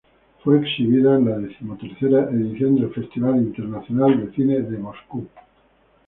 Fue exhibida en la decimotercera edición del Festival Internacional de cine de Moscú.